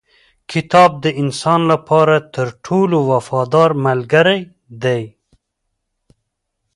کتاب د انسان لپاره تر ټولو وفادار ملګری دی